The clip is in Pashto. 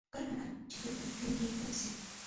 ګرانه ده چې دوی په دې کلي کې واوسي.